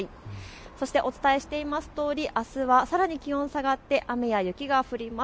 そしてお伝えしていますとおりあすはさらに気温が下がって雨や雪が降ります。